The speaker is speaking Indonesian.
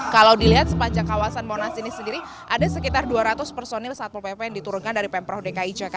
kalau dilihat sepanjang kawasan monas ini sendiri ada sekitar dua ratus personil satpol pp yang diturunkan dari pemprov dki jakarta